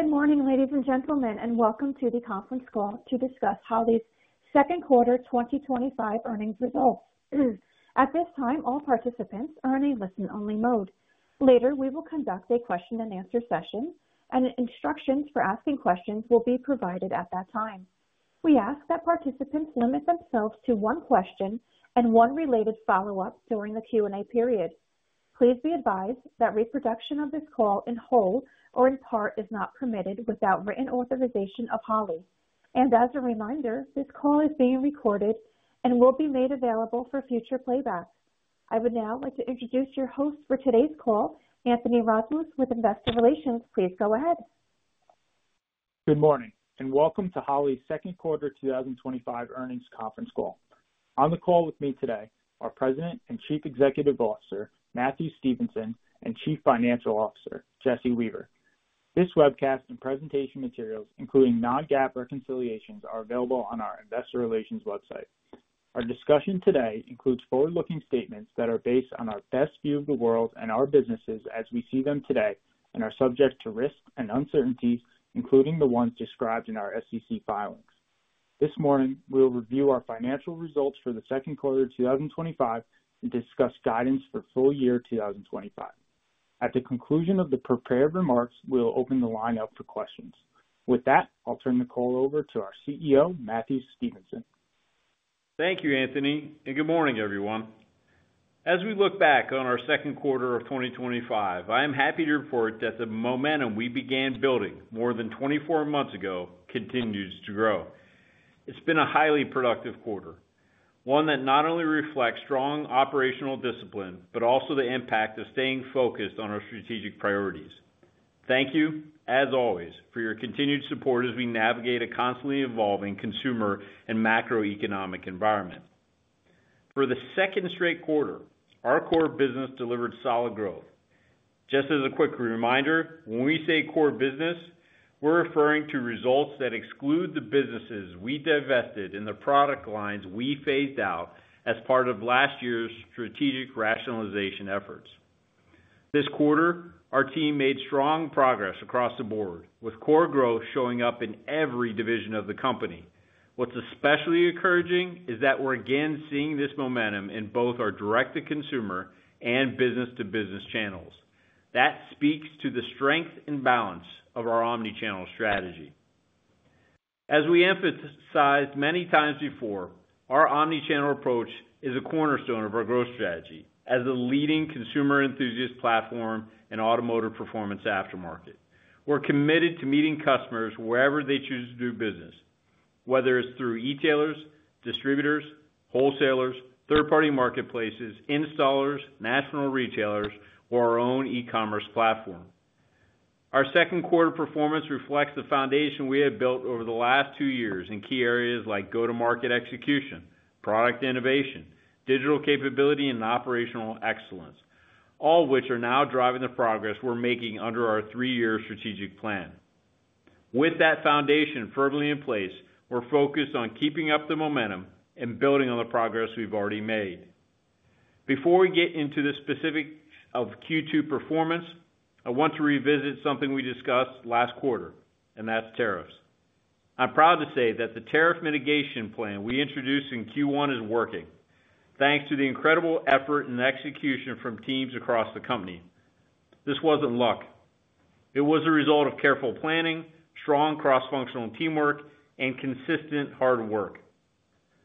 Good morning, ladies and gentlemen, and welcome to the conference call to discuss Holley's second quarter 2025 earnings results. At this time, all participants are in a listen-only mode. Later, we will conduct a question-and-answer session, and instructions for asking questions will be provided at that time. We ask that participants limit themselves to one question and one related follow-up during the Q&A period. Please be advised that reproduction of this call in whole or in part is not permitted without written authorization of Holley. As a reminder, this call is being recorded and will be made available for future playback. I would now like to introduce your host for today's call, Anthony Rozmus with Investor Relations. Please go ahead. Good morning and welcome to Holley's second quarter 2025 earnings conference call. On the call with me today are President and Chief Executive Officer, Matthew Stevenson and Chief Financial Officer, Jesse Weaver. This webcast and presentation material, including non-GAAP reconciliations, are available on our Investor Relations website. Our discussion today includes forward-looking statements that are based on our best view of the world and our businesses as we see them today and are subject to risks and uncertainties, including the ones described in our SEC filings. This morning, we'll review our financial results for the second quarter 2025 and discuss guidance for full year 2025. At the conclusion of the prepared remarks, we'll open the line up for questions. With that, I'll turn the call over to our CEO, Matthew Stevenson. Thank you, Anthony, and good morning, everyone. As we look back on our second quarter of 2025, I am happy to report that the momentum we began building more than 24 months ago continues to grow. It's been a highly productive quarter, one that not only reflects strong operational discipline but also the impact of staying focused on our strategic priorities. Thank you, as always, for your continued support as we navigate a constantly evolving consumer and macroeconomic environment. For the second straight quarter, our core business delivered solid growth. Just as a quick reminder, when we say core business, we're referring to results that exclude the businesses we divested and the product lines we phased out as part of last year's strategic rationalization efforts. This quarter, our team made strong progress across the board, with core growth showing up in every division of the company. What's especially encouraging is that we're again seeing this momentum in both our direct-to-consumer and business-to-business channels. That speaks to the strength and balance of our omnichannel strategy. As we emphasized many times before, our omnichannel approach is a cornerstone of our growth strategy as the leading consumer enthusiast platform and automotive performance aftermarket. We're committed to meeting customers wherever they choose to do business, whether it's through retailers, distributors, wholesalers, third-party marketplaces, installers, national retailers, or our own e-commerce platform. Our second quarter performance reflects the foundation we have built over the last two years in key areas like go-to-market execution, product innovation, digital capability, and operational excellence, all of which are now driving the progress we're making under our three-year strategic plan. With that foundation firmly in place, we're focused on keeping up the momentum and building on the progress we've already made. Before we get into the specifics of Q2 performance, I want to revisit something we discussed last quarter, and that's tariffs. I'm proud to say that the tariff mitigation plan we introduced in Q1 is working, thanks to the incredible effort and execution from teams across the company. This wasn't luck. It was a result of careful planning, strong cross-functional teamwork, and consistent hard work.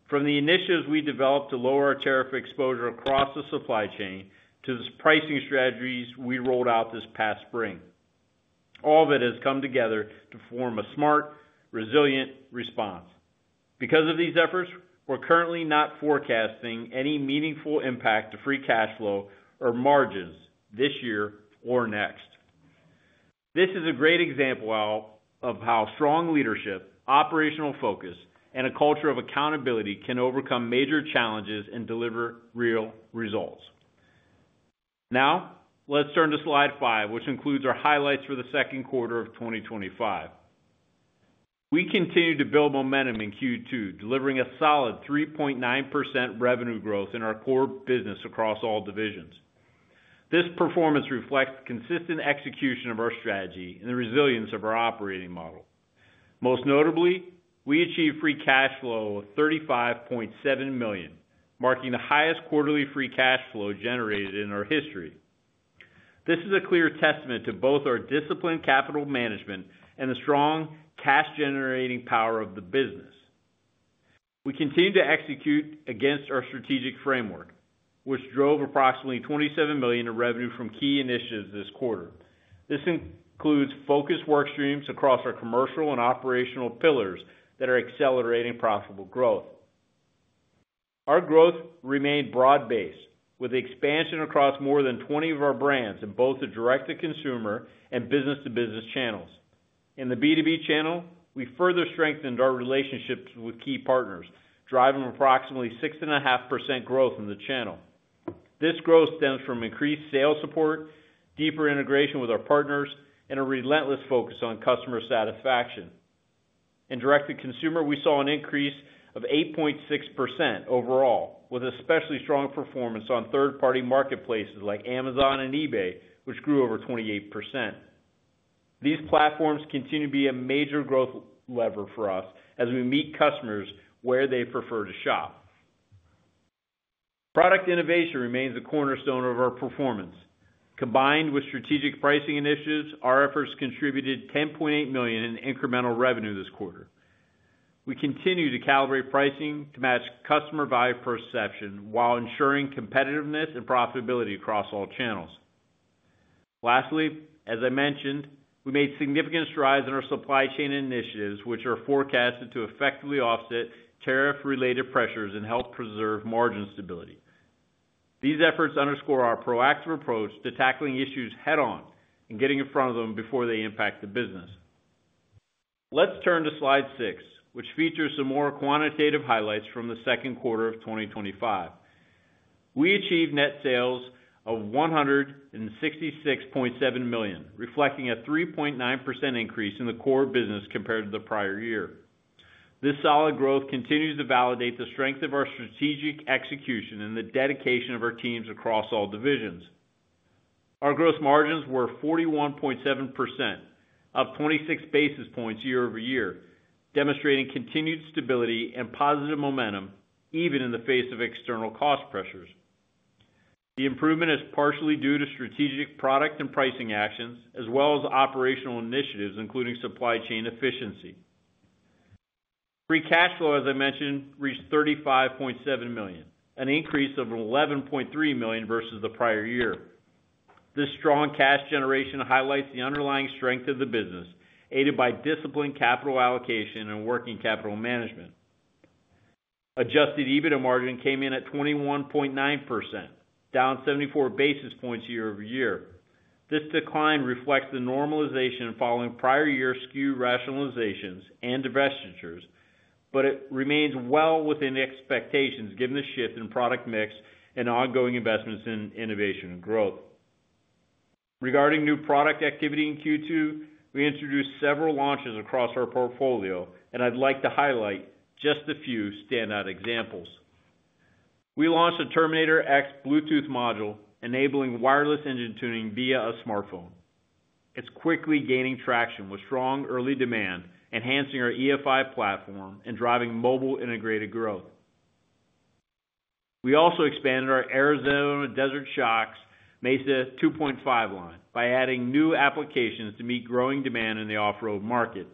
From the initiatives we developed to lower our tariff exposure across the supply chain to the pricing strategies we rolled out this past spring, all of it has come together to form a smart, resilient response. Because of these efforts, we're currently not forecasting any meaningful impact to free cash flow or margins this year or next. This is a great example of how strong leadership, operational focus, and a culture of accountability can overcome major challenges and deliver real results. Now, let's turn to slide five, which includes our highlights for the second quarter of 2025. We continue to build momentum in Q2, delivering a solid 3.9% revenue growth in our core business across all divisions. This performance reflects the consistent execution of our strategy and the resilience of our operating model. Most notably, we achieved free cash flow of $35.7 million, marking the highest quarterly free cash flow generated in our history. This is a clear testament to both our disciplined capital management and the strong cash-generating power of the business. We continue to execute against our strategic framework, which drove approximately $27 million in revenue from key initiatives this quarter. This includes focused workstreams across our commercial and operational pillars that are accelerating profitable growth. Our growth remained broad-based, with expansion across more than 20 of our brands in both the direct-to-consumer and business-to-business channels. In the B2B channel, we further strengthened our relationships with key partners, driving approximately 6.5% growth in the channel. This growth stems from increased sales support, deeper integration with our partners, and a relentless focus on customer satisfaction. In direct-to-consumer, we saw an increase of 8.6% overall, with especially strong performance on third-party marketplaces like Amazon and eBay, which grew over 28%. These platforms continue to be a major growth lever for us as we meet customers where they prefer to shop. Product innovation remains the cornerstone of our performance. Combined with strategic pricing initiatives, our efforts contributed $10.8 million in incremental revenue this quarter. We continue to calibrate pricing to match customer value perception while ensuring competitiveness and profitability across all channels. Lastly, as I mentioned, we made significant strides in our supply chain initiatives, which are forecasted to effectively offset tariff-related pressures and help preserve margin stability. These efforts underscore our proactive approach to tackling issues head-on and getting in front of them before they impact the business. Let's turn to slide six, which features some more quantitative highlights from the second quarter of 2025. We achieved net sales of $166.7 million, reflecting a 3.9% increase in the core business compared to the prior year. This solid growth continues to validate the strength of our strategic execution and the dedication of our teams across all divisions. Our gross margins were 41.7%, up 26 basis points year-over-year, demonstrating continued stability and positive momentum even in the face of external cost pressures. The improvement is partially due to strategic product and pricing actions, as well as operational initiatives, including supply chain efficiency. Free cash flow, as I mentioned, reached $35.7 million, an increase of $11.3 million versus the prior year. This strong cash generation highlights the underlying strength of the business, aided by disciplined capital allocation and working capital management. Adjusted EBITDA margin came in at 21.9%, down 74 basis points year-over-year. This decline reflects the normalization following prior year's SKU rationalizations and divestitures, but it remains well within expectations given the shift in product mix and ongoing investments in innovation and growth. Regarding new product activity in Q2, we introduced several launches across our portfolio, and I'd like to highlight just a few standout examples. We launched a Terminator X Bluetooth module, enabling wireless engine tuning via a smartphone. It's quickly gaining traction with strong early demand, enhancing our EFI platform and driving mobile integrated growth. We also expanded our Arizona Desert Shocks Mesa 2.5 line by adding new applications to meet growing demand in the off-road market.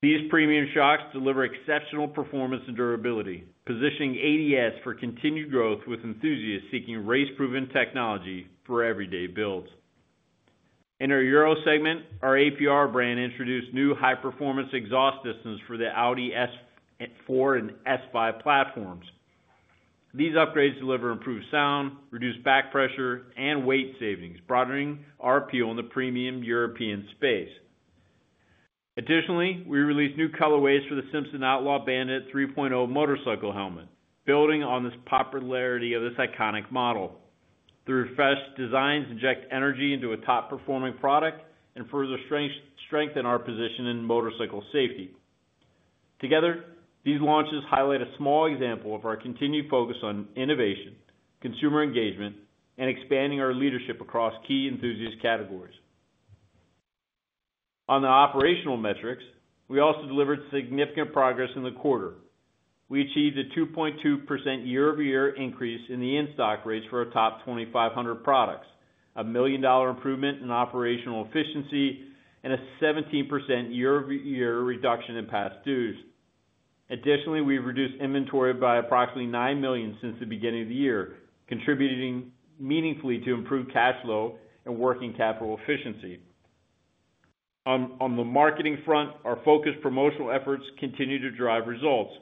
These premium shocks deliver exceptional performance and durability, positioning ADS for continued growth with enthusiasts seeking race-proven technology for everyday builds. In our Euro segment, our APR brand introduced new high-performance exhaust systems for the Audi S4 and S5 platforms. These upgrades deliver improved sound, reduced back pressure, and weight savings, broadening our appeal in the premium European space. Additionally, we released new colorways for the Simpson Outlaw Bandit 3.0 motorcycle helmet, building on the popularity of this iconic model. The refreshed designs inject energy into a top-performing product and further strengthen our position in motorcycle safety. Together, these launches highlight a small example of our continued focus on innovation, consumer engagement, and expanding our leadership across key enthusiast categories. On the operational metrics, we also delivered significant progress in the quarter. We achieved a 2.2% year-over-year increase in the in-stock rates for our top 2,500 products, a $1 million improvement in operational efficiency, and a 17% year-over-year reduction in past dues. Additionally, we reduced inventory by approximately $9 million since the beginning of the year, contributing meaningfully to improved cash flow and working capital efficiency. On the marketing front, our focused promotional efforts continue to drive results.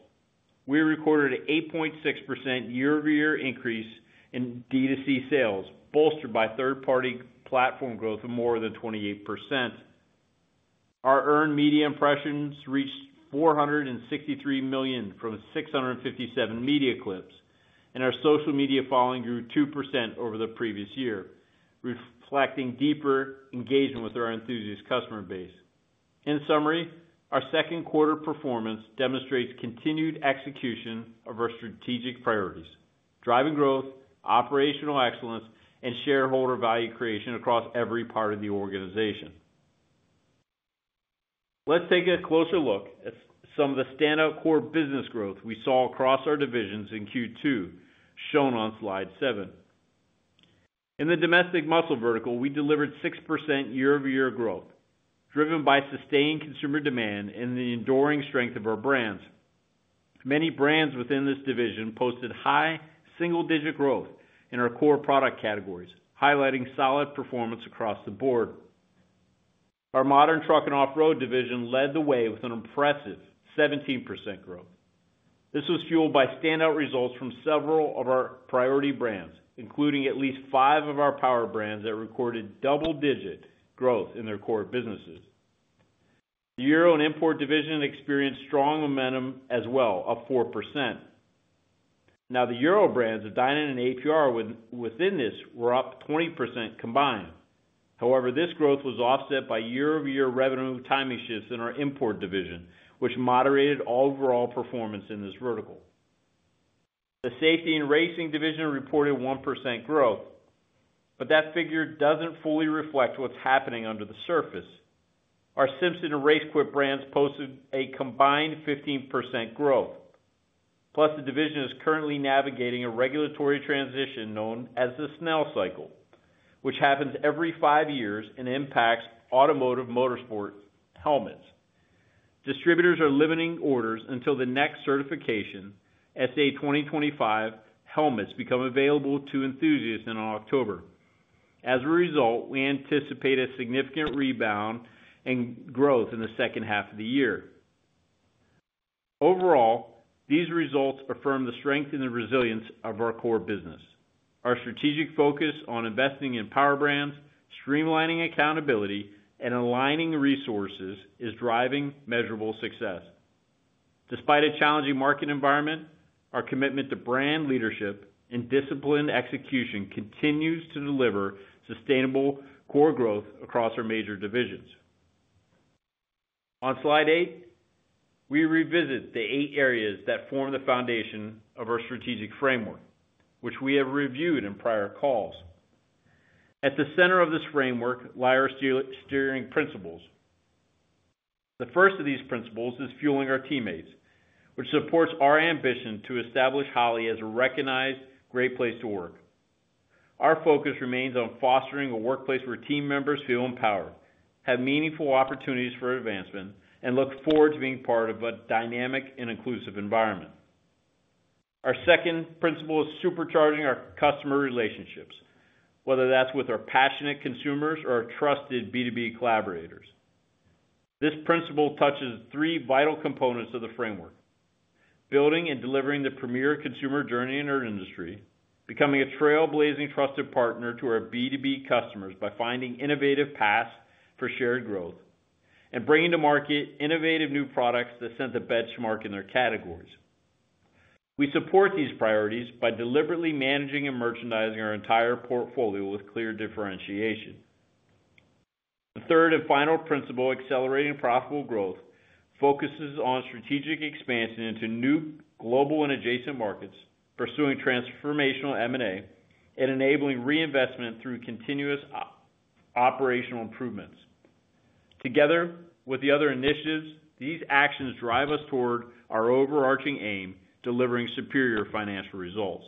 We recorded an 8.6% year-over-year increase in DTC sales, bolstered by third-party platform growth of more than 28%. Our earned media impressions reached 463 million from 657 media clips, and our social media following grew 2% over the previous year, reflecting deeper engagement with our enthusiast customer base. In summary, our second quarter performance demonstrates continued execution of our strategic priorities, driving growth, operational excellence, and shareholder value creation across every part of the organization. Let's take a closer look at some of the standout core business growth we saw across our divisions in Q2, shown on slide seven. In the Domestic Muscle vertical, we delivered 6% year-over-year growth, driven by sustained consumer demand and the enduring strength of our brands. Many brands within this division posted high single-digit growth in our core product categories, highlighting solid performance across the board. Our Modern Truck & Off-Road division led the way with an impressive 17% growth. This was fueled by standout results from several of our priority brands, including at least five of our power brands that recorded double-digit growth in their core businesses. The Euro & Import division experienced strong momentum as well, up 4%. Now, the Euro brands of Dinan and APR within this were up 20% combined. However, this growth was offset by year-over-year revenue timing shifts in our Import division, which moderated overall performance in this vertical. The Safety & Racing division reported 1% growth, but that figure doesn't fully reflect what's happening under the surface. Our Simpson and RaceQuip brands posted a combined 15% growth. Plus, the division is currently navigating a regulatory transition known as the SNELL cycle, which happens every five years and impacts automotive motorsports helmets. Distributors are limiting orders until the next certification, SA 2025 helmets, become available to enthusiasts in October. As a result, we anticipate a significant rebound in growth in the second half of the year. Overall, these results affirm the strength and the resilience of our core business. Our strategic focus on investing in power brands, streamlining accountability, and aligning resources is driving measurable success. Despite a challenging market environment, our commitment to brand leadership and disciplined execution continues to deliver sustainable core growth across our major divisions. On slide eight, we revisit the eight areas that form the foundation of our strategic framework, which we have reviewed in prior calls. At the center of this framework lie our steering principles. The first of these principles is fueling our teammates, which supports our ambition to establish Holley as a recognized, great place to work. Our focus remains on fostering a workplace where team members feel empowered, have meaningful opportunities for advancement, and look forward to being part of a dynamic and inclusive environment. Our second principle is supercharging our customer relationships, whether that's with our passionate consumers or our trusted B2B collaborators. This principle touches three vital components of the framework: building and delivering the premier consumer journey in our industry, becoming a trailblazing trusted partner to our B2B customers by finding innovative paths for shared growth, and bringing to market innovative new products that set the benchmark in their categories. We support these priorities by deliberately managing and merchandising our entire portfolio with clear differentiation. The third and final principle, accelerating profitable growth, focuses on strategic expansion into new global and adjacent markets, pursuing transformational M&A, and enabling reinvestment through continuous operational improvements. Together with the other initiatives, these actions drive us toward our overarching aim, delivering superior financial results.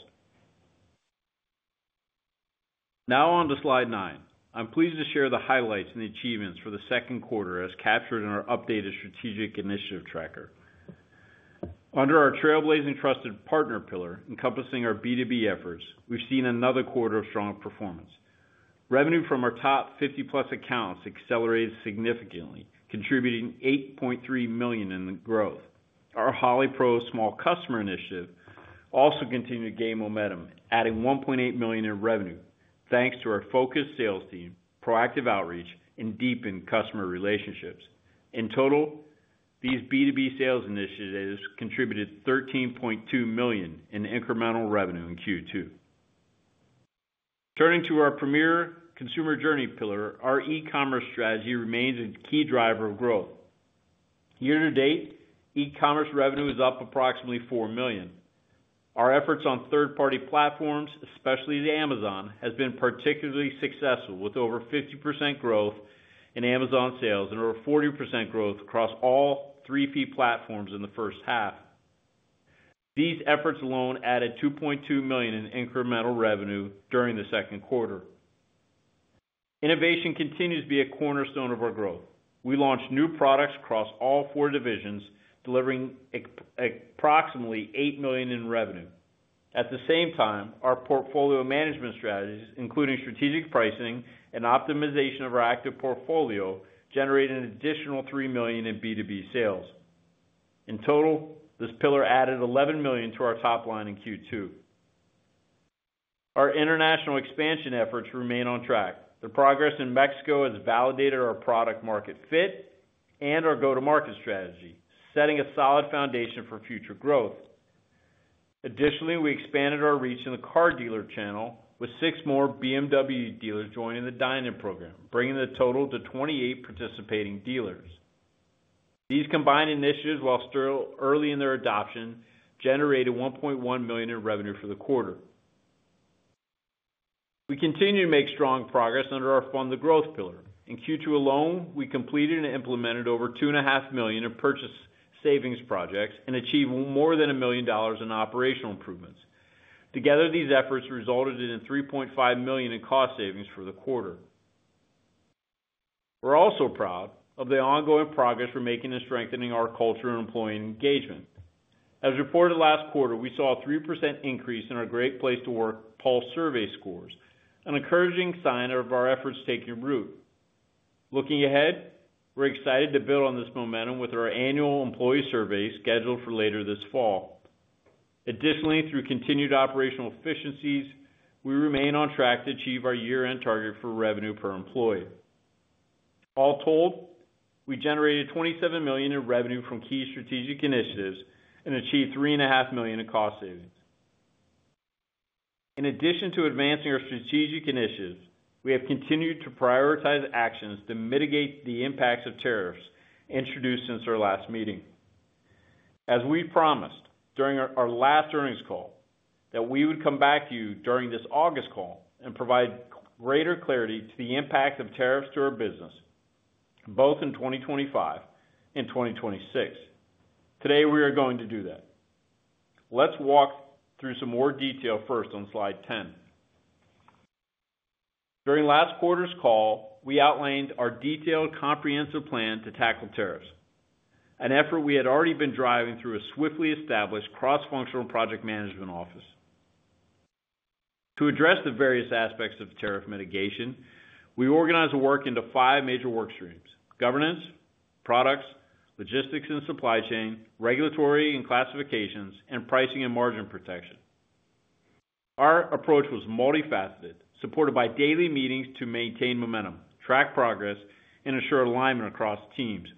Now on to slide nine. I'm pleased to share the highlights and the achievements for the second quarter as captured in our updated strategic initiative tracker. Under our trailblazing trusted partner pillar encompassing our B2B efforts, we've seen another quarter of strong performance. Revenue from our top 50-plus accounts accelerated significantly, contributing $8.3 million in growth. Our Holley Pro Small Customer initiative also continued to gain momentum, adding $1.8 million in revenue, thanks to our focused sales team, proactive outreach, and deepened customer relationships. In total, these B2B sales initiatives contributed $13.2 million in incremental revenue in Q2. Turning to our premier consumer journey pillar, our e-commerce strategy remains a key driver of growth. Year to date, e-commerce revenue is up approximately $4 million. Our efforts on third-party platforms, especially Amazon, have been particularly successful, with over 50% growth in Amazon sales and over 40% growth across all three key platforms in the first half. These efforts alone added $2.2 million in incremental revenue during the second quarter. Innovation continues to be a cornerstone of our growth. We launched new products across all four divisions, delivering approximately $8 million in revenue. At the same time, our portfolio management strategies, including strategic pricing and optimization of our active portfolio, generated an additional $3 million in B2B sales. In total, this pillar added $11 million to our top line in Q2. Our international expansion efforts remain on track. The progress in Mexico has validated our product-market fit and our go-to-market strategy, setting a solid foundation for future growth. Additionally, we expanded our reach in the car dealer channel, with six more BMW dealers joining the Dinan program, bringing the total to 28 participating dealers. These combined initiatives, while still early in their adoption, generated $1.1 million in revenue for the quarter. We continue to make strong progress under our fund-to-growth pillar. In Q2 alone, we completed and implemented over $2.5 million in purchase savings projects and achieved more than $1 million in operational improvements. Together, these efforts resulted in $3.5 million in cost savings for the quarter. We're also proud of the ongoing progress we're making in strengthening our culture and employee engagement. As reported last quarter, we saw a 3% increase in our Great Place to Work Pulse survey scores, an encouraging sign of our efforts taking root. Looking ahead, we're excited to build on this momentum with our annual employee survey scheduled for later this fall. Additionally, through continued operational efficiencies, we remain on track to achieve our year-end target for revenue per employee. All told, we generated $27 million in revenue from key strategic initiatives and achieved $3.5 million in cost savings. In addition to advancing our strategic initiatives, we have continued to prioritize actions to mitigate the impacts of tariffs introduced since our last meeting. As we promised during our last earnings call, we would come back to you during this August call and provide greater clarity to the impact of tariffs to our business, both in 2025 and 2026. Today, we are going to do that. Let's walk through some more detail first on slide 10. During last quarter's call, we outlined our detailed, comprehensive plan to tackle tariffs, an effort we had already been driving through a swiftly established cross-functional project management office. To address the various aspects of tariff mitigation, we organized the work into five major workstreams: governance, products, logistics and supply chain, regulatory and classifications, and pricing and margin protection. Our approach was multifaceted, supported by daily meetings to maintain momentum, track progress, and ensure alignment across teams.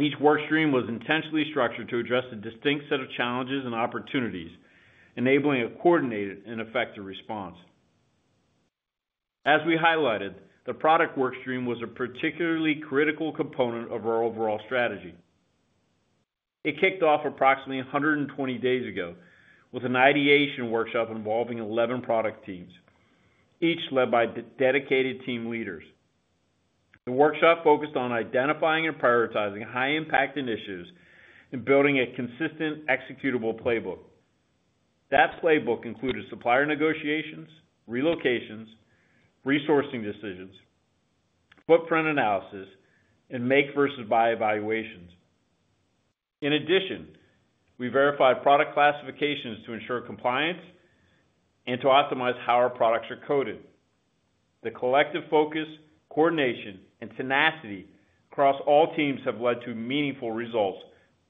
Each workstream was intentionally structured to address a distinct set of challenges and opportunities, enabling a coordinated and effective response. As we highlighted, the product workstream was a particularly critical component of our overall strategy. It kicked off approximately 120 days ago with an ideation workshop involving 11 product teams, each led by dedicated team leaders. The workshop focused on identifying and prioritizing high-impact initiatives and building a consistent, executable playbook. That playbook included supplier negotiations, relocations, resourcing decisions, footprint analysis, and make-versus-buy evaluations. In addition, we verified product classifications to ensure compliance and to optimize how our products are coded. The collective focus, coordination, and tenacity across all teams have led to meaningful results,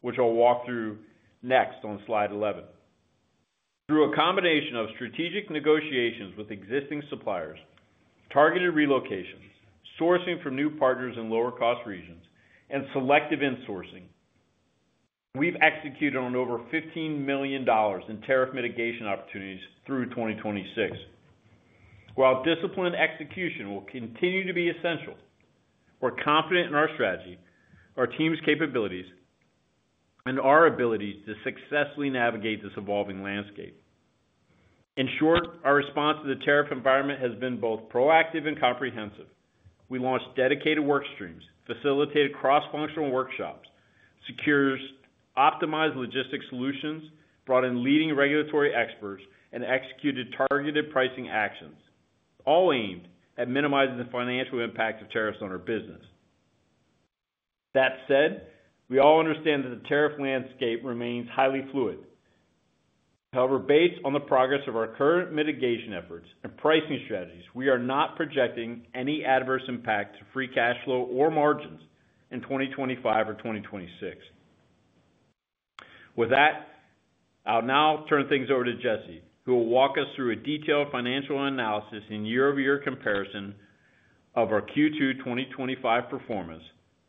which I'll walk through next on slide 11. Through a combination of strategic negotiations with existing suppliers, targeted relocations, sourcing from new partners in lower-cost regions, and selective insourcing, we've executed on over $15 million in tariff mitigation opportunities through 2026. While disciplined execution will continue to be essential, we're confident in our strategy, our team's capabilities, and our abilities to successfully navigate this evolving landscape. In short, our response to the tariff environment has been both proactive and comprehensive. We launched dedicated workstreams, facilitated cross-functional workshops, secured optimized logistics solutions, brought in leading regulatory experts, and executed targeted pricing actions, all aimed at minimizing the financial impact of tariffs on our business. That said, we all understand that the tariff landscape remains highly fluid. However, based on the progress of our current mitigation efforts and pricing strategies, we are not projecting any adverse impact to free cash flow or margins in 2025 or 2026. With that, I'll now turn things over to Jesse, who will walk us through a detailed financial analysis and year-over-year comparison of our Q2 2025 performance,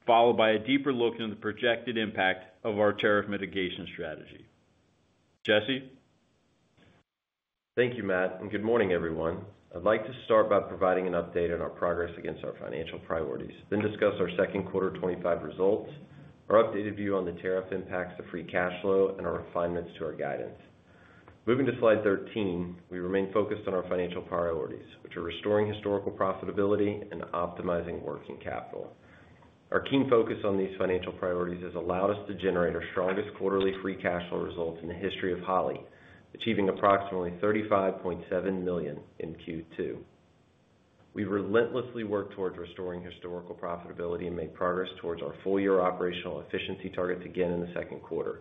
followed by a deeper look into the projected impact of our tariff mitigation strategy. Jesse. Thank you, Matt, and good morning, everyone. I'd like to start by providing an update on our progress against our financial priorities, then discuss our second quarter 2025 results, our updated view on the tariff impacts to free cash flow, and our refinements to our guidance. Moving to slide 13, we remain focused on our financial priorities, which are restoring historical profitability and optimizing working capital. Our keen focus on these financial priorities has allowed us to generate our strongest quarterly free cash flow results in the history of Holley, achieving approximately $35.7 million in Q2. We relentlessly worked towards restoring historical profitability and made progress towards our full-year operational efficiency targets again in the second quarter.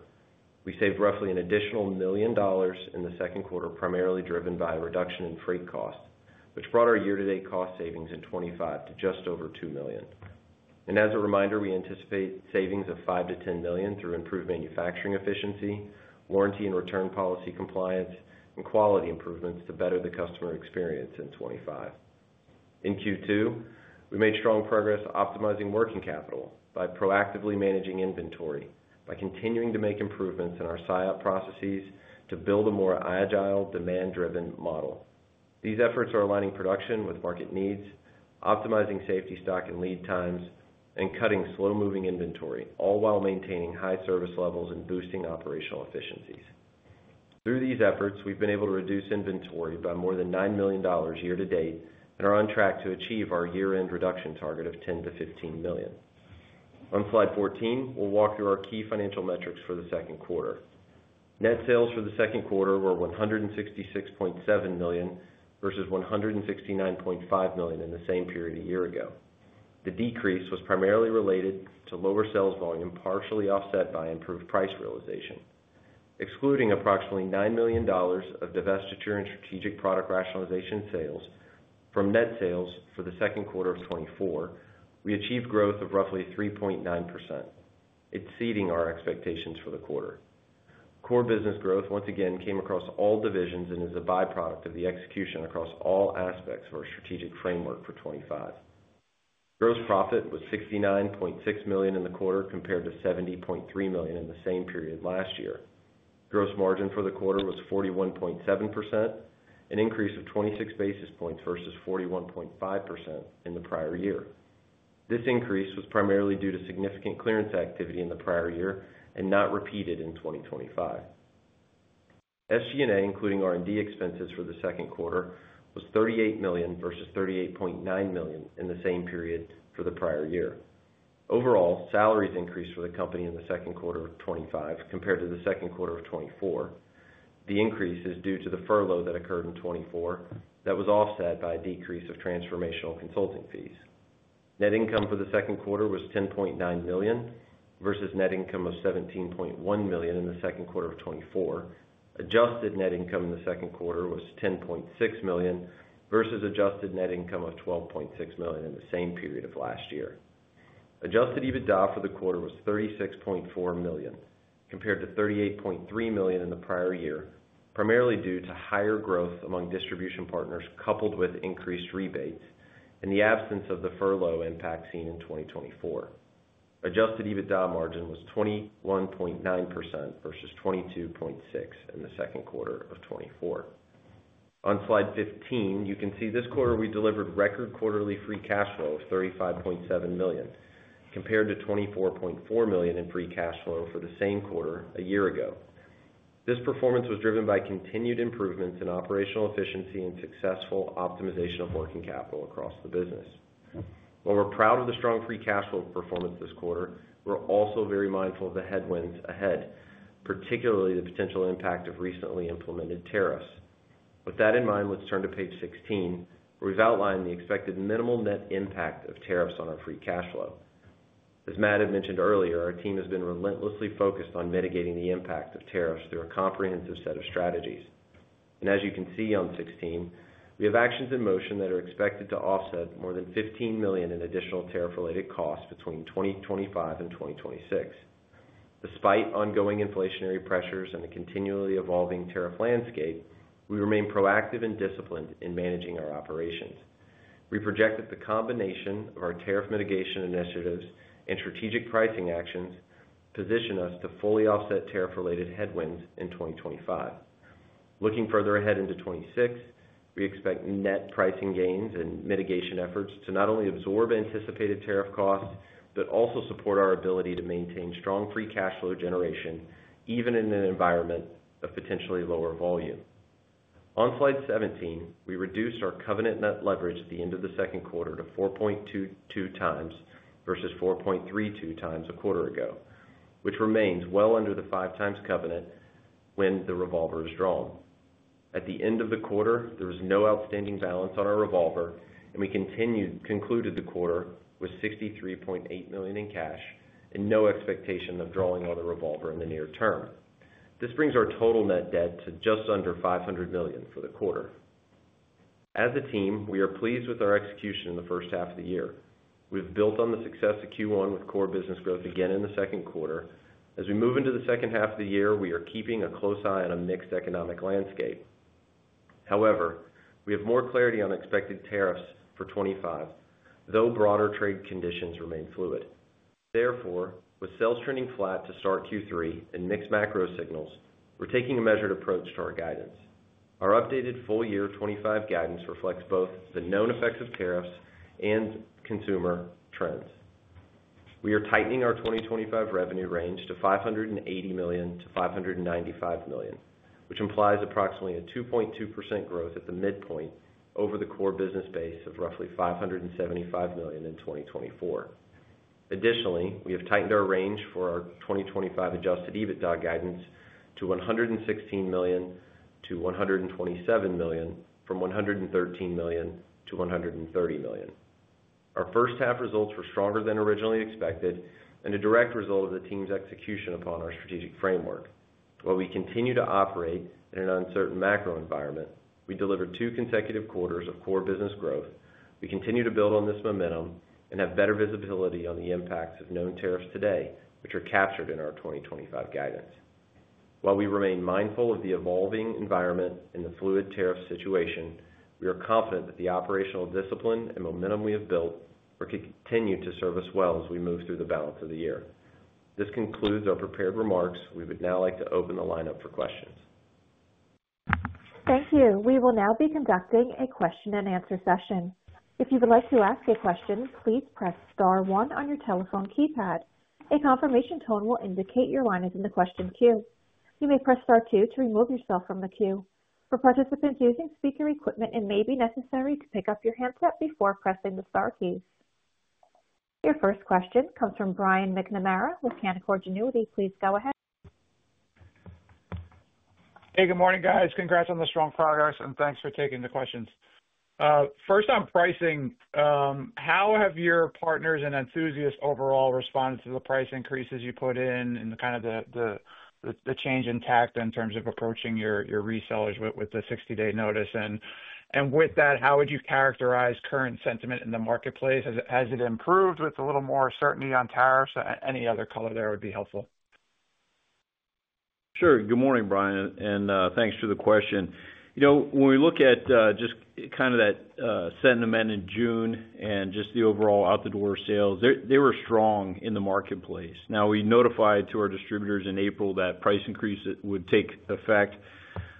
We saved roughly an additional $1 million in the second quarter, primarily driven by a reduction in freight costs, which brought our year-to-date cost savings in 2025 to just over $2 million. As a reminder, we anticipate savings of $5 to $10 million through improved manufacturing efficiency, warranty and return policy compliance, and quality improvements to better the customer experience in 2025. In Q2, we made strong progress optimizing working capital by proactively managing inventory, by continuing to make improvements in our sign-up processes to build a more agile, demand-driven model. These efforts are aligning production with market needs, optimizing safety stock and lead times, and cutting slow-moving inventory, all while maintaining high service levels and boosting operational efficiencies. Through these efforts, we've been able to reduce inventory by more than $9 million year to date and are on track to achieve our year-end reduction target of $10 to $15 million. On slide 14, we'll walk through our key financial metrics for the second quarter. Net sales for the second quarter were $166.7 million versus $169.5 million in the same period a year ago. The decrease was primarily related to lower sales volume, partially offset by improved price realization. Excluding approximately $9 million of divestiture and strategic product rationalization sales from net sales for the second quarter of 2024, we achieved growth of roughly 3.9%, exceeding our expectations for the quarter. Core business growth once again came across all divisions and is a byproduct of the execution across all aspects of our strategic framework for 2025. Gross profit was $69.6 million in the quarter compared to $70.3 million in the same period last year. Gross margin for the quarter was 41.7%, an increase of 26 basis points versus 41.5% in the prior year. This increase was primarily due to significant clearance activity in the prior year and not repeated in 2025. SG&A, including R&D expenses for the second quarter, was $38 million versus $38.9 million in the same period for the prior year. Overall, salaries increased for the company in the second quarter of 2025 compared to the second quarter of 2024. The increase is due to the furlough that occurred in 2024 that was offset by a decrease of transformational consulting fees. Net income for the second quarter was $10.9 million versus net income of $17.1 million in the second quarter of 2024. Adjusted net income in the second quarter was $10.6 million versus adjusted net income of $12.6 million in the same period of last year. Adjusted EBITDA for the quarter was $36.4 million compared to $38.3 million in the prior year, primarily due to higher growth among distribution partners coupled with increased rebates and the absence of the furlough impact seen in 2024. Adjusted EBITDA margin was 21.9% versus 22.6% in the second quarter of 2024. On slide 15, you can see this quarter we delivered record quarterly free cash flow of $35.7 million compared to $24.4 million in free cash flow for the same quarter a year ago. This performance was driven by continued improvements in operational efficiency and successful optimization of working capital across the business. While we're proud of the strong free cash flow performance this quarter, we're also very mindful of the headwinds ahead, particularly the potential impact of recently implemented tariffs. With that in mind, let's turn to page 16, where we've outlined the expected minimal net impact of tariffs on our free cash flow. As Matt had mentioned earlier, our team has been relentlessly focused on mitigating the impact of tariffs through a comprehensive set of strategies. As you can see on 16, we have actions in motion that are expected to offset more than $15 million in additional tariff-related costs between 2025 and 2026. Despite ongoing inflationary pressures and a continually evolving tariff landscape, we remain proactive and disciplined in managing our operations. We project that the combination of our tariff mitigation initiatives and strategic pricing actions will position us to fully offset tariff-related headwinds in 2025. Looking further ahead into 2026, we expect net pricing gains and mitigation efforts to not only absorb anticipated tariff costs but also support our ability to maintain strong free cash flow generation, even in an environment of potentially lower volume. On slide 17, we reduced our covenant net leverage at the end of the second quarter to 4.22 times versus 4.32 times a quarter ago, which remains well under the five times covenant when the revolver is drawn. At the end of the quarter, there was no outstanding balance on our revolver, and we concluded the quarter with $63.8 million in cash and no expectation of drawing on the revolver in the near term. This brings our total net debt to just under $500 million for the quarter. As a team, we are pleased with our execution in the first half of the year. We've built on the success of Q1 with core business growth again in the second quarter. As we move into the second half of the year, we are keeping a close eye on a mixed economic landscape. However, we have more clarity on expected tariffs for 2025, though broader trade conditions remain fluid. Therefore, with sales trending flat to start Q3 and mixed macro signals, we're taking a measured approach to our guidance. Our updated full-year 2025 guidance reflects both the known effects of tariffs and consumer trends. We are tightening our 2025 revenue range to $580 million to $595 million, which implies approximately a 2.2% growth at the midpoint over the core business base of roughly $575 million in 2024. Additionally, we have tightened our range for our 2025 adjusted EBITDA guidance to $116 million to $127 million, from $113 million to $130 million. Our first half results were stronger than originally expected and a direct result of the team's execution upon our strategic framework. While we continue to operate in an uncertain macro environment, we delivered two consecutive quarters of core business growth. We continue to build on this momentum and have better visibility on the impacts of known tariffs today, which are captured in our 2025 guidance. While we remain mindful of the evolving environment and the fluid tariff situation, we are confident that the operational discipline and momentum we have built will continue to serve us well as we move through the balance of the year. This concludes our prepared remarks. We would now like to open the line up for questions. Thank you. We will now be conducting a question and answer session. If you would like to ask a question, please press star one on your telephone keypad. A confirmation tone will indicate your line is in the question queue. You may press star two to remove yourself from the queue. For participants using speaker equipment, it may be necessary to pick up your handset before pressing the star keys. Your first question comes from Brian McNamara with Canaccord Genuity. Please go ahead. Hey, good morning, guys. Congrats on the strong progress and thanks for taking the questions. First on pricing. How have your partners and enthusiasts overall responded to the price increases you put in and the change in tact in terms of approaching your resellers with the 60-day notice? With that, how would you characterize current sentiment in the marketplace? Has it improved with a little more certainty on tariffs? Any other color there would be helpful. Sure. Good morning, Brian, and thanks for the question. You know, when we look at just kind of that sentiment in June and just the overall out-the-door sales, they were strong in the marketplace. We notified our distributors in April that price increases would take effect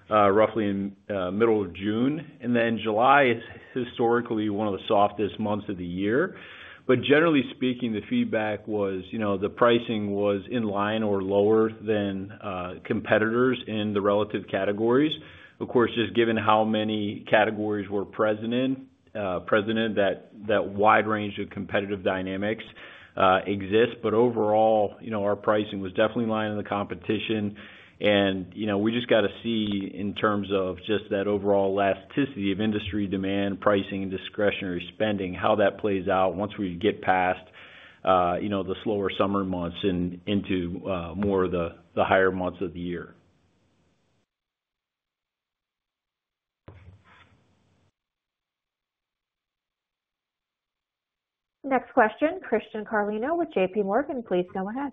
roughly in the middle of June, and July is historically one of the softest months of the year. Generally speaking, the feedback was, you know, the pricing was in line or lower than competitors in the relative categories. Of course, just given how many categories we're present in, that wide range of competitive dynamics exists. Overall, our pricing was definitely in line with the competition. You know, we just got to see in terms of just that overall elasticity of industry demand, pricing, and discretionary spending, how that plays out once we get past the slower summer months and into more of the higher months of the year. Next question, Christian Carlino with JPMorgan. Please go ahead.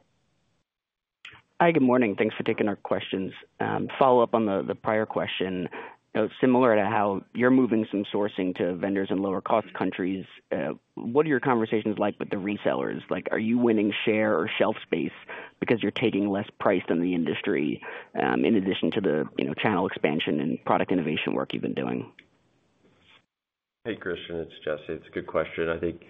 Hi, good morning. Thanks for taking our questions. Follow up on the prior question. Similar to how you're moving some sourcing to vendors in lower-cost countries, what are your conversations like with the resellers? Are you winning share or shelf space because you're taking less price than the industry in addition to the channel expansion and product innovation work you've been doing? Hey, Christian, it's Jesse. It's a good question. I think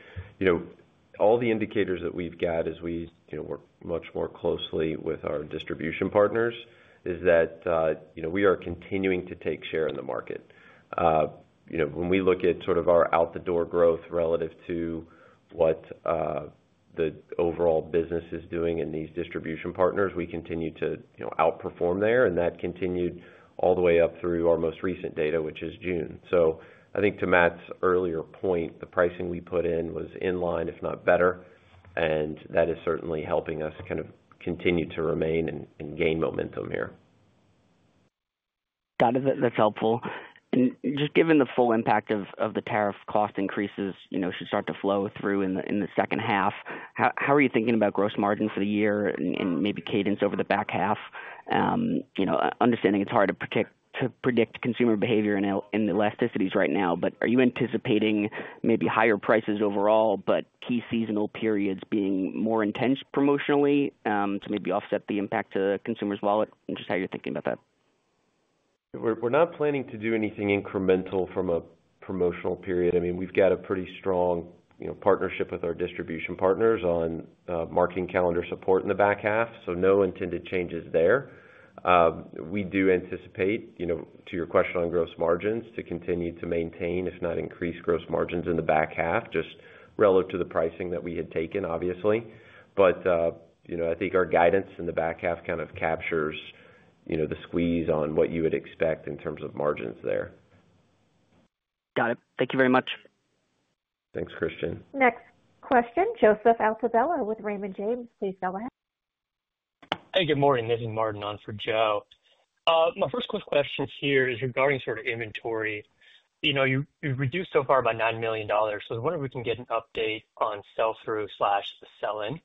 all the indicators that we've got as we work much more closely with our distribution partners is that we are continuing to take share in the market. When we look at sort of our out-the-door growth relative to what the overall business is doing in these distribution partners, we continue to outperform there. That continued all the way up through our most recent data, which is June. I think to Matt's earlier point, the pricing we put in was in line, if not better, and that is certainly helping us kind of continue to remain and gain momentum here. That is helpful. Just given the full impact of the tariff cost increases, you know, should start to flow through in the second half. How are you thinking about gross margins for the year and maybe cadence over the back half? You know, understanding it's hard to predict consumer behavior and elasticities right now, but are you anticipating maybe higher prices overall, but key seasonal periods being more intense promotionally to maybe offset the impact to consumers' wallet? Just how you're thinking about that. We're not planning to do anything incremental from a promotional period. We've got a pretty strong partnership with our distribution partners on marketing calendar support in the back half. No intended changes there. We do anticipate, to your question on gross margins, to continue to maintain, if not increase, gross margins in the back half, just relative to the pricing that we had taken, obviously. I think our guidance in the back half kind of captures the squeeze on what you would expect in terms of margins there. Got it. Thank you very much. Thanks, Christian. Next question, Joseph Altobello with Raymond James. Please go ahead. Hey, good morning. This is Martin on for Joe. My first quick question here is regarding sort of inventory. You've reduced so far by $9 million. I was wondering if we can get an update on sell-through slash the sell-in?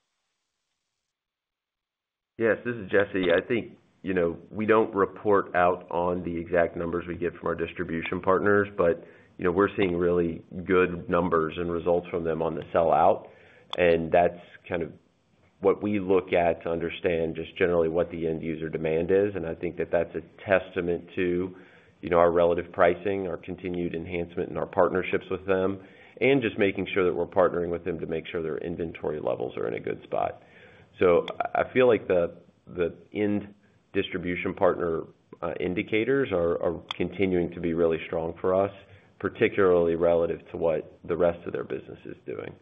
Yes, this is Jesse. I think, you know, we don't report out on the exact numbers we get from our distribution partners, but we're seeing really good numbers and results from them on the sell-out. That's kind of what we look at to understand just generally what the end user demand is. I think that that's a testament to our relative pricing, our continued enhancement in our partnerships with them, and just making sure that we're partnering with them to make sure their inventory levels are in a good spot. I feel like the end distribution partner indicators are continuing to be really strong for us, particularly relative to what the rest of their business is doing.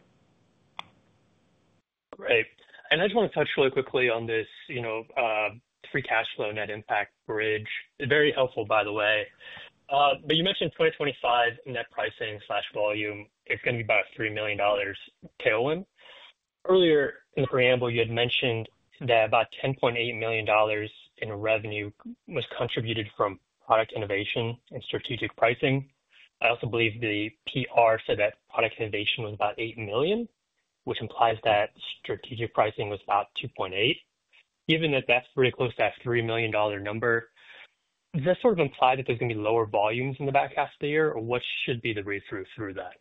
Right. I just want to touch really quickly on this free cash flow net impact bridge. Very helpful, by the way. You mentioned 2025 net pricing slash volume is going to be about $3 million tailwind. Earlier in the preamble, you had mentioned that about $10.8 million in revenue was contributed from product innovation and strategic pricing. I also believe the PR said that product innovation was about $8 million, which implies that strategic pricing was about $2.8 million. Given that that's pretty close to that $3 million number, does that sort of imply that there's going to be lower volumes in the back half of the year? What should be the read-through through that?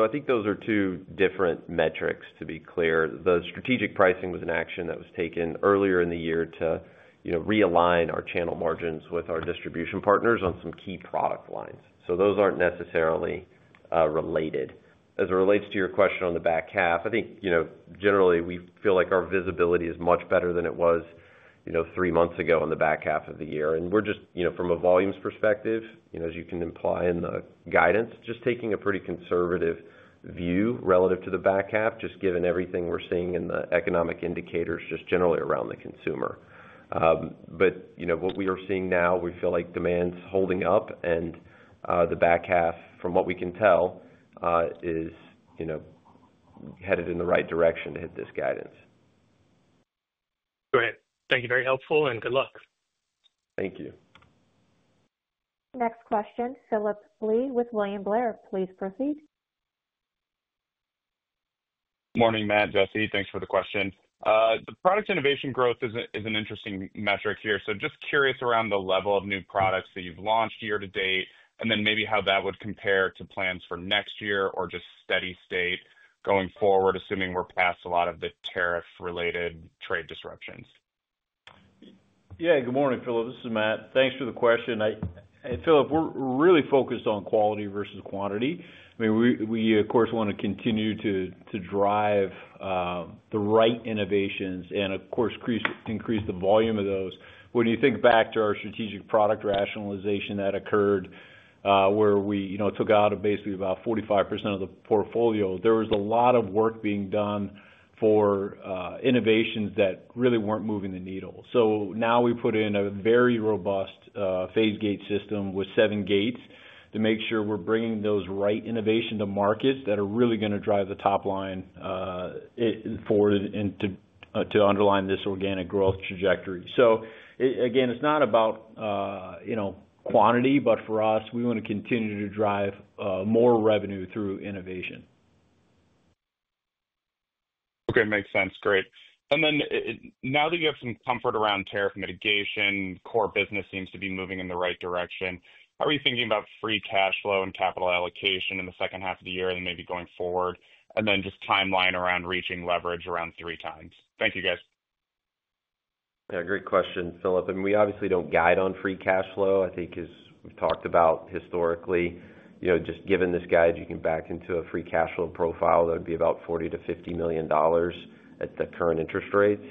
I think those are two different metrics, to be clear. The strategic pricing was an action that was taken earlier in the year to realign our channel margins with our distribution partners on some key product lines. Those aren't necessarily related. As it relates to your question on the back half, generally we feel like our visibility is much better than it was three months ago on the back half of the year. We're just, from a volumes perspective, as you can imply in the guidance, taking a pretty conservative view relative to the back half, just given everything we're seeing in the economic indicators generally around the consumer. What we are seeing now, we feel like demand's holding up and the back half, from what we can tell, is headed in the right direction to hit this guidance. Great. Thank you. Very helpful and good luck. Thank you. Next question, Phillip Blee with William Blair. Please proceed. Morning, Matt, Jesse. Thanks for the question. The product innovation growth is an interesting metric here. Just curious around the level of new products that you've launched year to date and then maybe how that would compare to plans for next year or just steady state going forward, assuming we're past a lot of the tariff-related trade disruptions. Yeah, good morning, Phillip. This is Matt. Thanks for the question. Phillip, we're really focused on quality versus quantity. I mean, we, of course, want to continue to drive the right innovations and, of course, increase the volume of those. When you think back to our strategic product rationalization that occurred, where we took out basically about 45% of the portfolio, there was a lot of work being done for innovations that really weren't moving the needle. Now we put in a very robust phase gate system with seven gates to make sure we're bringing those right innovations to markets that are really going to drive the top line forward and to underline this organic growth trajectory. Again, it's not about quantity, but for us, we want to continue to drive more revenue through innovation. Okay, makes sense. Great. Now that you have some comfort around tariff mitigation, core business seems to be moving in the right direction. How are you thinking about free cash flow and capital allocation in the second half of the year and maybe going forward? Just timeline around reaching leverage around three times. Thank you, guys. Yeah, great question, Phillip. We obviously don't guide on free cash flow. I think, as we've talked about historically, just given this guide, you can back into a free cash flow profile that would be about $40 to $50 million at the current interest rates.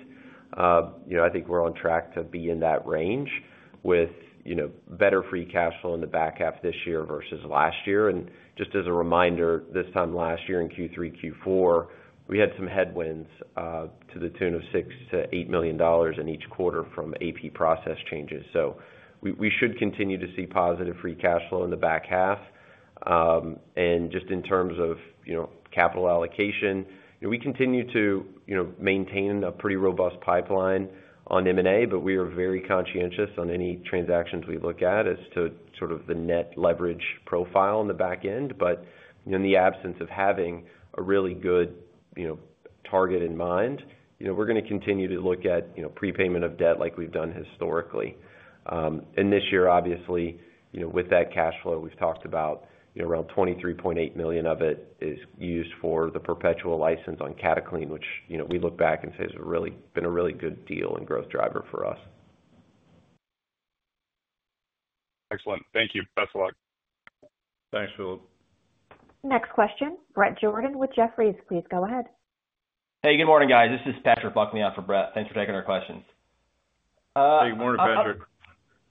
I think we're on track to be in that range with better free cash flow in the back half this year versus last year. Just as a reminder, this time last year in Q3 and Q4, we had some headwinds to the tune of $6 to $8 million in each quarter from AP process changes. We should continue to see positive free cash flow in the back half. Just in terms of capital allocation, we continue to maintain a pretty robust pipeline on M&A, but we are very conscientious on any transactions we look at as to the net leverage profile on the back end. In the absence of having a really good target in mind, we're going to continue to look at prepayment of debt like we've done historically. This year, obviously, with that cash flow we've talked about, around $23.8 million of it is used for the perpetual license on CATA Clean, which we look back and say has really been a really good deal and growth driver for us. Excellent. Thank you. Best of luck. Thanks, Phillip. Next question, Bret Jordan with Jefferies. Please go ahead. Hey, good morning, guys. This is Patrick, walking the line for Bret. Thanks for taking our questions. Hey, good morning, Patrick.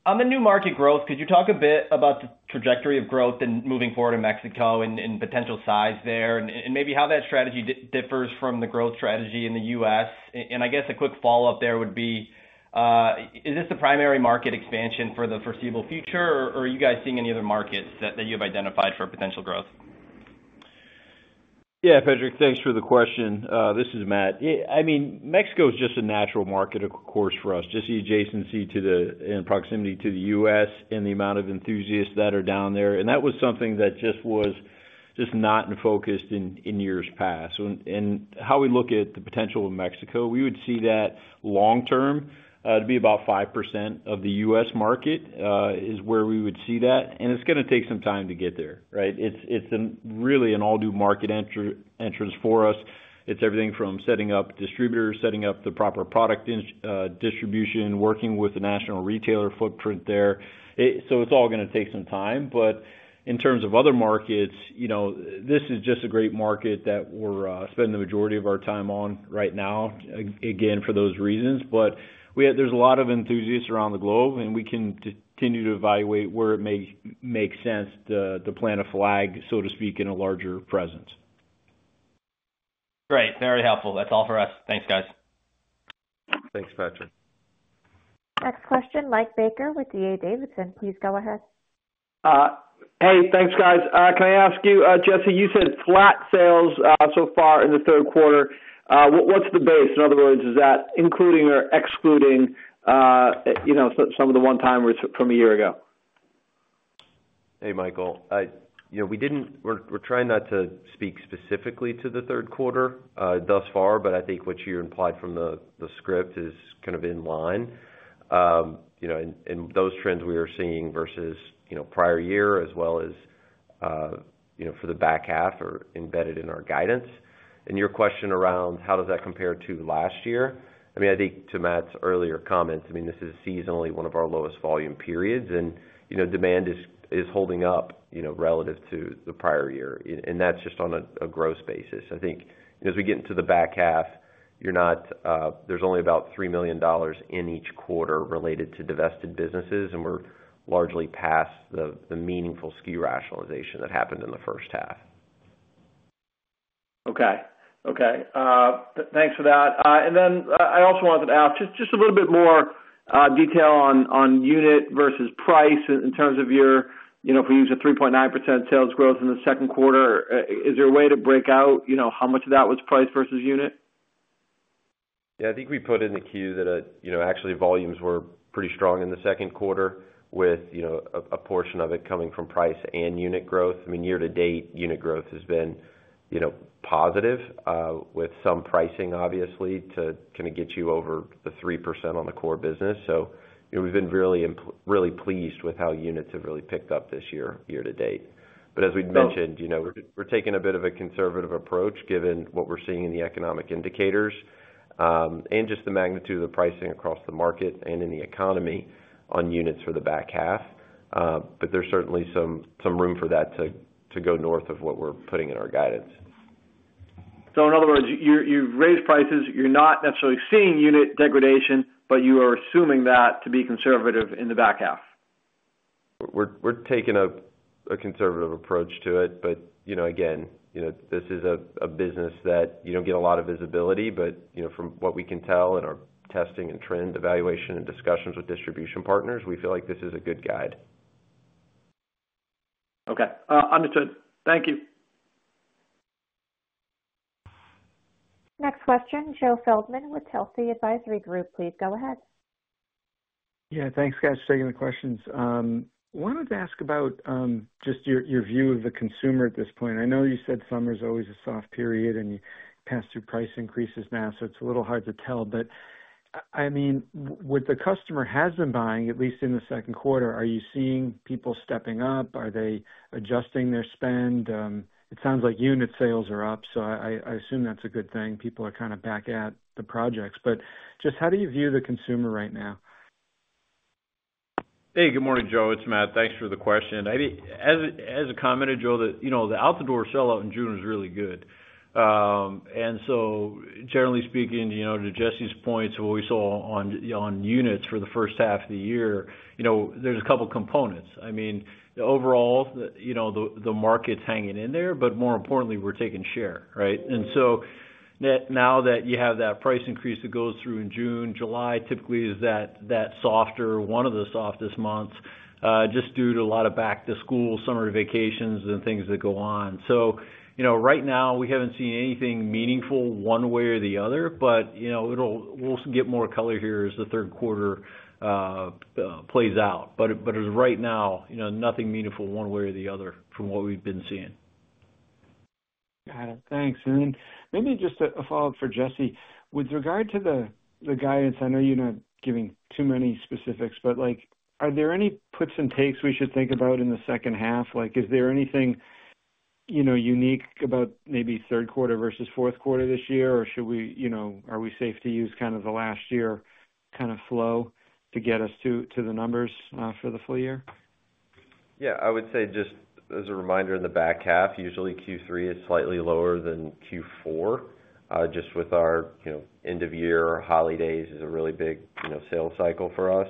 On the new market growth, could you talk a bit about the trajectory of growth and moving forward in Mexico and potential size there, and maybe how that strategy differs from the growth strategy in the U.S.? I guess a quick follow-up there would be, is this the primary market expansion for the foreseeable future, or are you guys seeing any other markets that you have identified for potential growth? Yeah, Patrick, thanks for the question. This is Matt. Mexico is just a natural market, of course, for us, just the adjacency to the proximity to the U.S. and the amount of enthusiasts that are down there. That was something that was just not in focus in years past. How we look at the potential of Mexico, we would see that long term to be about 5% of the U.S. market is where we would see that. It's going to take some time to get there, right? It's really an all-new market entrance for us. It's everything from setting up distributors, setting up the proper product distribution, working with the national retailer footprint there. It's all going to take some time. In terms of other markets, you know, this is just a great market that we're spending the majority of our time on right now, again, for those reasons. There's a lot of enthusiasts around the globe, and we can continue to evaluate where it may make sense to plant a flag, so to speak, in a larger presence. Great. Very helpful. That's all for us. Thanks, guys. Thanks, Patrick. Next question, Mike Baker with D.A. Davidson. Please go ahead. Hey, thanks, guys. Can I ask you, Jesse, you said flat sales so far in the third quarter. What's the base? In other words, is that including or excluding, you know, some of the one-timers from a year ago? Hey, Michael. We didn't, we're trying not to speak specifically to the third quarter thus far, but I think what you implied from the script is kind of in line. Those trends we are seeing versus prior year, as well as for the back half, are embedded in our guidance. Your question around how does that compare to last year? I think to Matt's earlier comments, this is seasonally one of our lowest volume periods, and demand is holding up relative to the prior year. That's just on a gross basis. As we get into the back half, there's only about $3 million in each quarter related to divested businesses, and we're largely past the meaningful SKU rationalization that happened in the first half. Okay. Thanks for that. I also wanted to ask just a little bit more detail on unit versus price in terms of your, you know, if we use a 3.9% sales growth in the second quarter, is there a way to break out, you know, how much of that was price versus unit? Yeah, I think we put in the queue that, you know, actually volumes were pretty strong in the second quarter, with, you know, a portion of it coming from price and unit growth. I mean, year to date, unit growth has been, you know, positive, with some pricing, obviously, to kind of get you over the 3% on the core business. You know, we've been really, really pleased with how units have really picked up this year, year to date. As we mentioned, we're taking a bit of a conservative approach given what we're seeing in the economic indicators, and just the magnitude of the pricing across the market and in the economy on units for the back half. There is certainly some room for that to go north of what we're putting in our guidance. In other words, you raise prices, you're not necessarily seeing unit degradation, but you are assuming that to be conservative in the back half. We're taking a conservative approach to it, but this is a business that you don't get a lot of visibility. From what we can tell in our testing and trend evaluation and discussions with distribution partners, we feel like this is a good guide. Okay. Understood. Thank you. Next question, Joe Feldman with Telsey Advisory Group. Please go ahead. Yeah, thanks, guys, for taking the questions. I wanted to ask about just your view of the consumer at this point. I know you said summer's always a soft period and you pass through price increases now, so it's a little hard to tell. With the customer has been buying, at least in the second quarter, are you seeing people stepping up? Are they adjusting their spend? It sounds like unit sales are up, so I assume that's a good thing. People are kind of back at the projects. Just how do you view the consumer right now? Hey, good morning, Joe. It's Matt. Thanks for the question. As I commented, Joe, the out-the-door sell-out in June was really good, and generally speaking, to Jesse's points of what we saw on units for the first half of the year, there's a couple of components. Overall, the market's hanging in there, but more importantly, we're taking share, right? Now that you have that price increase that goes through in June, July typically is that softer, one of the softest months, just due to a lot of back-to-school, summer vacations, and things that go on. Right now we haven't seen anything meaningful one way or the other, but we'll get more color here as the third quarter plays out. As of right now, nothing meaningful one way or the other from what we've been seeing. Got it. Thanks. Maybe just a follow-up for Jesse. With regard to the guidance, I know you're not giving too many specifics, but are there any puts and takes we should think about in the second half? Is there anything unique about maybe third quarter versus fourth quarter this year, or are we safe to use kind of the last year kind of flow to get us to the numbers for the full year? Yeah, I would say just as a reminder, in the back half, usually Q3 is slightly lower than Q4. Just with our, you know, end-of-year holidays is a really big, you know, sales cycle for us.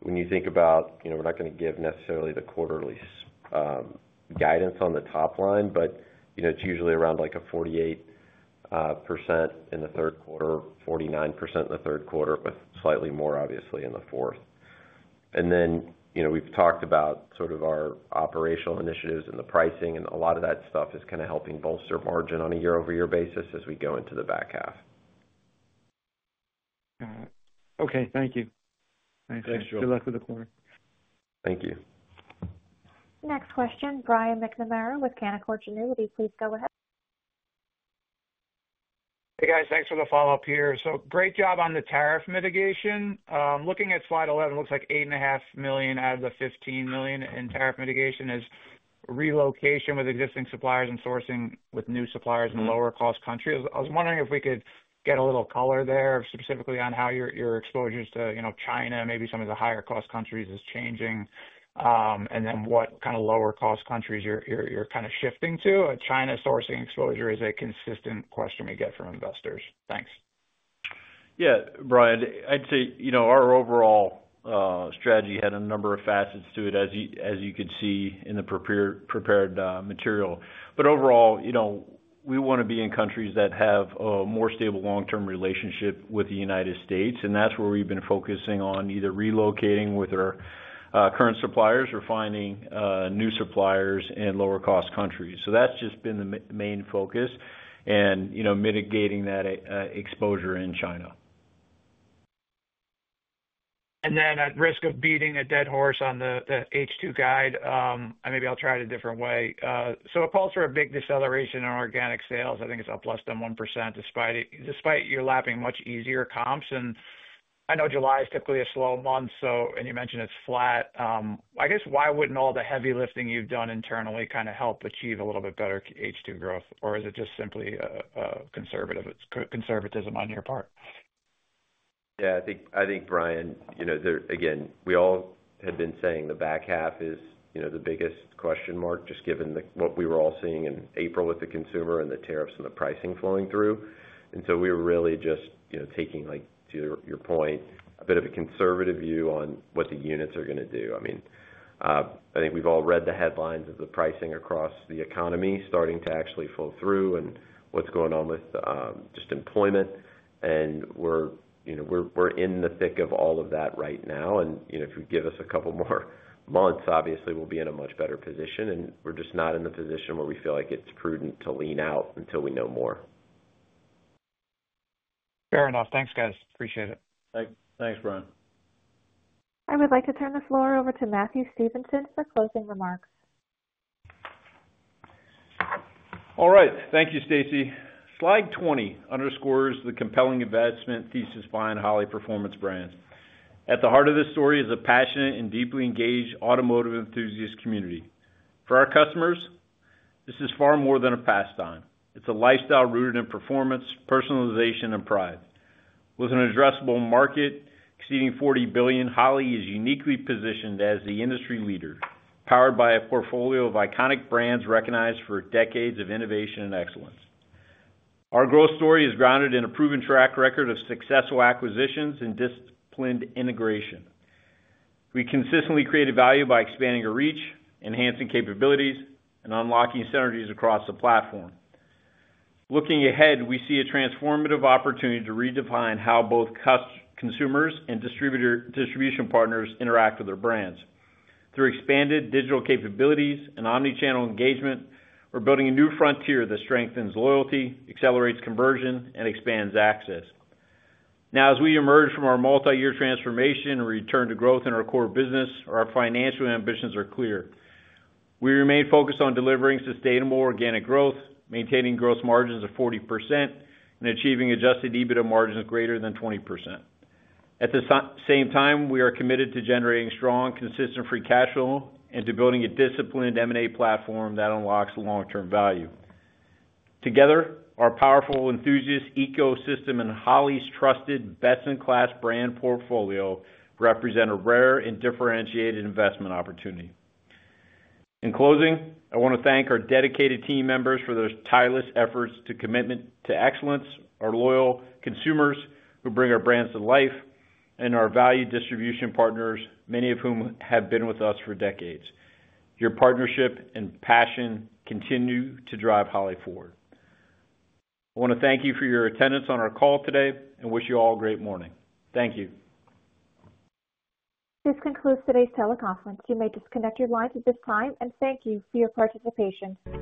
When you think about, you know, we're not going to give necessarily the quarterly guidance on the top line, but you know, it's usually around like a 48% in the third quarter, 49% in the third quarter, with slightly more, obviously, in the fourth. You know, we've talked about sort of our operational initiatives and the pricing, and a lot of that stuff is kind of helping bolster margin on a year-over-year basis as we go into the back half. Got it. Okay, thank you. Thanks, Joe. Good luck with the quarter. Thank you. Next question, Brian McNamara with Canaccord Genuity. Please go ahead. Hey, guys, thanks for the follow-up here. Great job on the tariff mitigation. Looking at slide 11, it looks like $8.5 million out of the $15 million in tariff mitigation is relocation with existing suppliers and sourcing with new suppliers in lower-cost countries. I was wondering if we could get a little color there specifically on how your exposures to, you know, China, maybe some of the higher-cost countries are changing, and then what kind of lower-cost countries you're kind of shifting to. China sourcing exposure is a consistent question we get from investors. Thanks. Yeah, Brian, I'd say our overall strategy had a number of facets to it, as you could see in the prepared material. Overall, we want to be in countries that have a more stable long-term relationship with the United States, and that's where we've been focusing on either relocating with our current suppliers or finding new suppliers in lower-cost countries. That's just been the main focus, mitigating that exposure in China. At risk of beating a dead horse on the H2 guide, maybe I'll try it a different way. A pulse for a big deceleration in organic sales, I think it's up less than 1% despite your lapping much easier comps. I know July is typically a slow month, and you mentioned it's flat. I guess why wouldn't all the heavy lifting you've done internally kind of help achieve a little bit better H2 growth, or is it just simply a conservatism on your part? Yeah, I think, Brian, you know, we all had been saying the back half is the biggest question mark, just given what we were all seeing in April with the consumer and the tariffs and the pricing flowing through. We were really just, to your point, taking a bit of a conservative view on what the units are going to do. I think we've all read the headlines of the pricing across the economy starting to actually flow through and what's going on with just employment. We're in the thick of all of that right now. If you give us a couple more months, obviously we'll be in a much better position. We're just not in the position where we feel like it's prudent to lean out until we know more. Fair enough. Thanks, guys. Appreciate it. Thanks, Brian. I would like to turn the floor over to Matthew Stevenson for closing remarks. All right. Thank you, Stacey. Slide 20 underscores the compelling investment thesis behind Holley Performance Brands. At the heart of this story is a passionate and deeply engaged automotive enthusiast community. For our customers, this is far more than a pastime. It's a lifestyle rooted in performance, personalization, and pride. With an addressable market exceeding $40 billion, Holley is uniquely positioned as the industry leader, powered by a portfolio of iconic brands recognized for decades of innovation and excellence. Our growth story is grounded in a proven track record of successful acquisitions and disciplined integration. We consistently create value by expanding our reach, enhancing capabilities, and unlocking synergies across the platform. Looking ahead, we see a transformative opportunity to redefine how both consumers and distribution partners interact with their brands. Through expanded digital capabilities and omnichannel engagement, we're building a new frontier that strengthens loyalty, accelerates conversion, and expands access. Now, as we emerge from our multi-year transformation and return to growth in our core business, our financial ambitions are clear. We remain focused on delivering sustainable organic growth, maintaining gross margins of 40%, and achieving adjusted EBITDA margins greater than 20%. At the same time, we are committed to generating strong, consistent free cash flow and to building a disciplined M&A platform that unlocks long-term value. Together, our powerful enthusiast ecosystem and Holley's trusted best-in-class brand portfolio represent a rare and differentiated investment opportunity. In closing, I want to thank our dedicated team members for their tireless efforts to commit to excellence, our loyal consumers who bring our brands to life, and our valued distribution partners, many of whom have been with us for decades. Your partnership and passion continue to drive Holley forward. I want to thank you for your attendance on our call today and wish you all a great morning. Thank you. This concludes today's teleconference. You may disconnect your lines at this time, and thank you for your participation.